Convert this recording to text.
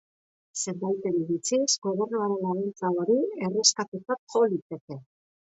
Zenbaiten iritziz, gobernuaren laguntza hori erreskatetzat jo liteke.